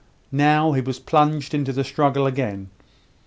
Now, he was plunged into the struggle again.